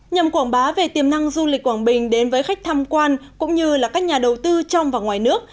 nhằm quảng bá về tiềm năng du lịch quảng bình đến với khách tham quan cũng như là các nhà đầu tư trong và ngoài nước